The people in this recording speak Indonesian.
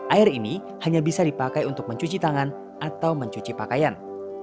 air ini hanya bisa dipakai untuk mencuci tangan atau mencuci pakaian